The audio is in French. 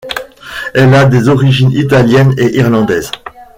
Elle a des origines italiennes et irlandaises.